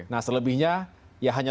nah selebihnya ya hanya